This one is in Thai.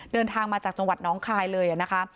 เดินทางมาจากจังหวัดน้องคายเลยนะคะ